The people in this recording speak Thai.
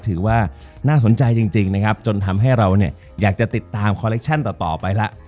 ถือว่าน่าสนใจจริงนะครับจนทำให้เราเนี่ยอยากจะติดตามคอลเคชั่นต่อไปแล้ว